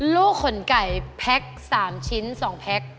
ลูกขนไก่แพ็ค๓ชิ้น๒แพ็ค